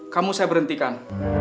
kamu saya berhentikan